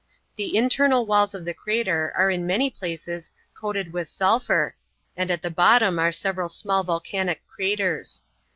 The internal walls of the crater are in many places coated with sulphur, and at the bottom are several small volcanic craters.